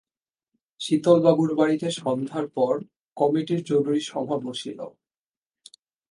শীতলবাবুর বাড়িতে সন্ধ্যার পর কমিটির জরুরি সভা বসিল।